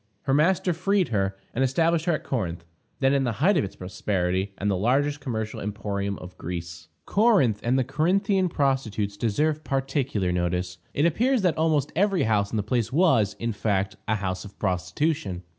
Her master freed her, and established her at Corinth, then in the height of its prosperity, and the largest commercial emporium of Greece. Corinth and the Corinthian prostitutes deserve particular notice. It appears that almost every house in the place was, in fact, a house of prostitution.